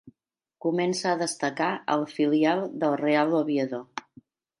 Comença a destacar al filial del Real Oviedo.